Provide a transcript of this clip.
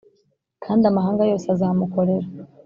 Kandi amahanga yose azamukorera